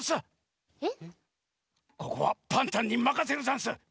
ここはパンタンにまかせるざんす！